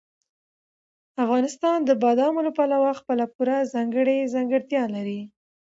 افغانستان د بادامو له پلوه خپله پوره ځانګړې ځانګړتیا لري.